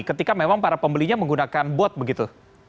ketika memang para pembelinya menggunakan bot begitu